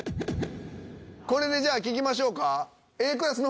これでじゃあ聞きましょうか？